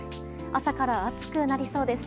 朝から暑くなりそうです。